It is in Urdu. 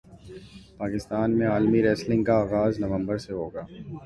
پاکستان میں عالمی ریسلنگ کا اغاز نومبر سے ہوگا